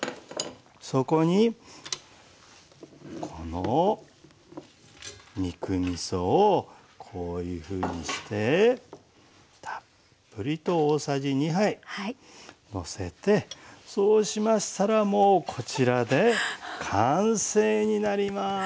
そこにこの肉みそをこういうふうにしてたっぷりと大さじ２杯のせてそうしましたらもうこちらで完成になります。